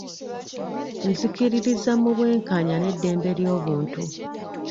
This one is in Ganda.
Nzikiririza mu bwenkanya n'eddembe ly'obuntu.